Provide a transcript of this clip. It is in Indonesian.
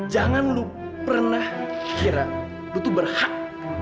jangan lu pernah kira lu tuh berhak